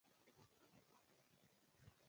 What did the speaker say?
تولیدونکي د پلورلو پر مهال له لوړې بیې کار اخیستی دی